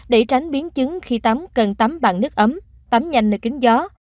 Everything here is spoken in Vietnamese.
để tránh biến chứng khi tắm cần tắm bằng nước ấm tắm nhanh nơi kính gió